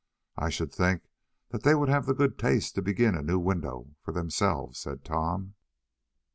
"I should think that they would have the good taste to begin a new window for themselves," said Tom.